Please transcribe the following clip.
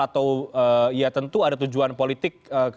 atau ya tentu ada tujuan politik